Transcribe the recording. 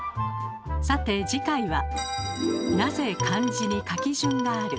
さて次回は「なぜ漢字に書き順がある？」